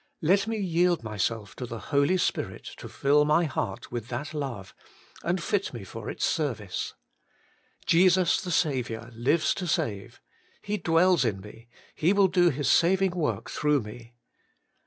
Let me yield myself to the Holy Spirit to fill my heart with that love, and fit me for its service. Jesus the Saviour lives to save ; He dwells in me ; He will do His saving work through me.